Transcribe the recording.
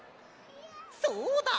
そうだ！